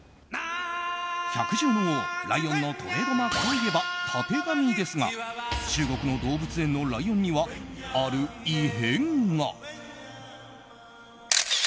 百獣の王ライオンのトレードマークといえばたてがみですが中国の動物園のライオンにはある異変が。